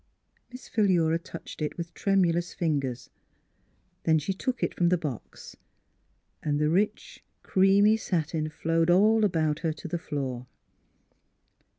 Miss Philura touched it with tremulous fingers ; then she took it from the box and the rich, creamy satin flowed all about her to the floor.